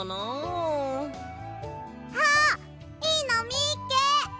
あっいいのみっけ！